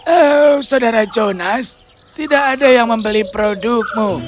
oh saudara jonas tidak ada yang membeli produkmu